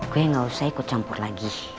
gue gak usah ikut campur lagi